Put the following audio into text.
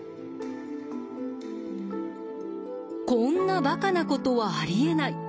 こんなバカなことはありえない。